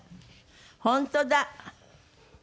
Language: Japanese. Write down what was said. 本当だ！